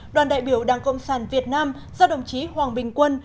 đoàn đại biểu đảng cộng sản việt nam do đồng chí hoàng bình quân